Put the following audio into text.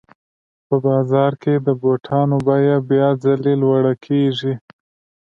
په بازار کې د بوټانو بیه بیا ځلي لوړه کېږي